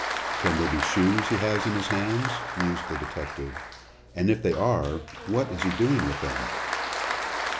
"Can they be shoes he has in his hands?" mused the detective. "And if they are, what is he doing with them?"